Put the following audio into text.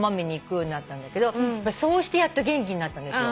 そうしてやっと元気になったんですよ。